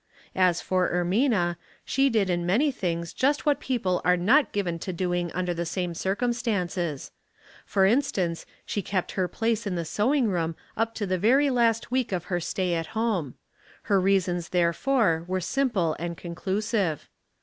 As for Ermina, she did in many things just what people are not given to doing under the same circumstances. For instance, she kept her place in the sewing room up to the very last week of her stay ix': home. Her reasons therefor were simple and conclusive.